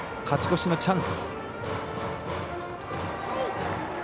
勝ち越しのチャンス。